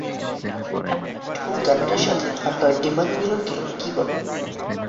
Haploid পুং গ্যামেটের সাথে হ্যাপ্লয়েড ডিম্বাণুর মিলনকে কী বলে?